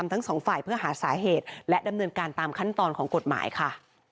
ทั้งสองฝ่ายเพื่อหาสาเหตุและดำเนินการตามขั้นตอนของกฎหมายค่ะ